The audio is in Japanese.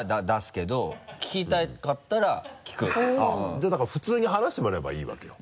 じゃあだから普通に話してもらえればいいわけよ。